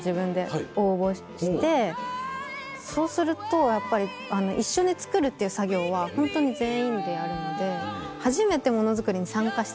そうするとやっぱり一緒につくるっていう作業はホントに全員でやるので。